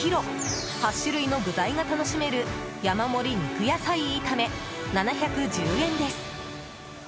８種類の具材が楽しめる山盛り肉野菜炒め、７１０円です。